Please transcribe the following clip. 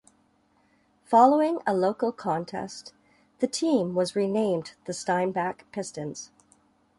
Following a local contest, the team was renamed the Steinbach Pistons.